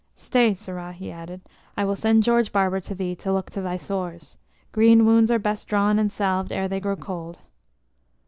Stay, sirrah!" he added; "I will send Georgebarber to thee to look to thy sores. Green wounds are best drawn and salved ere they grow cold."